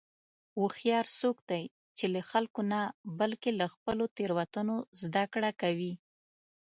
هوښیار څوک دی چې له خلکو نه، بلکې له خپلو تېروتنو زدهکړه کوي.